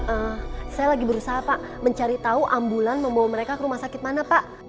eee saya lagi berusaha pak mencari tahu ambulan membawa mereka ke rumah sakit mana pak